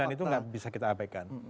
dan itu gak bisa kita abaikan